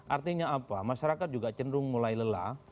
artinya apa masyarakat juga cenderung mulai lelah